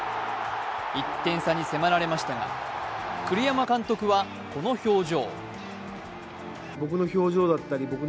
１点差に迫られましたが、栗山監督はこの表情。